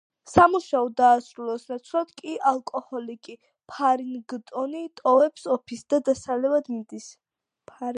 სამუშაო დაასრულოს ნაცვლად კი ალკოჰოლიკი ფარინგტონი ტოვებს ოფისს და დასალევად მიდის.